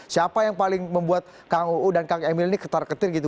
siapa yang paling membuat kang uu dan kang emil ini ketar ketir gitu